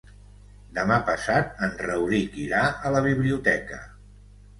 Demà passat en Rauric irà a la biblioteca.